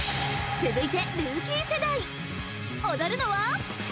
続いてルーキー世代踊るのは？